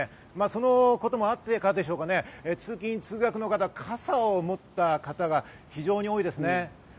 そのこともあったからでしょうか通勤・通学の方、傘を持った方が非常に多いですね。